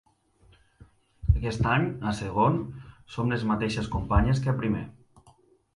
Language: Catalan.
Aquest any, a segon, som les mateixes companyes que a primer.